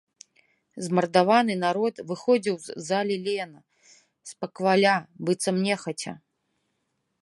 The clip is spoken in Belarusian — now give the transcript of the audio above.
Змардаваны народ выходзіў з залі лена, спакваля, быццам нехаця.